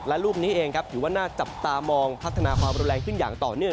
และลูกนี้เองครับถือว่าน่าจับตามองพัฒนาความรุนแรงขึ้นอย่างต่อเนื่อง